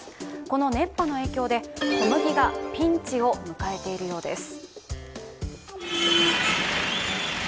この熱波の影響で、小麦がピンチを迎えているようです。